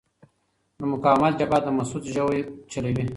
د مقاومت جبهه د مسعود ژوی چلوي.